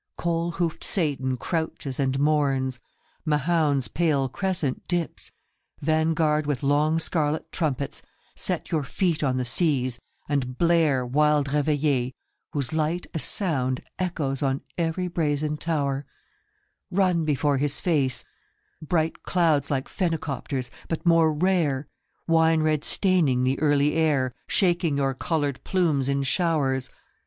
Coal hoofed Satan crouches and mourns ; Mahound's pale crescent dips. Vanguard with long scarlet trumpets, set your feet on the seas and blare Wild Reveille whose light, as sound, echoes on every brazen tower ; 70 Sunrise. Run before his face, bright clouds like phoenicopters, but more rare, Wine red staining the early air, shaking your coloured plumes in showers.